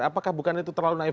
apakah bukan itu terlalu naif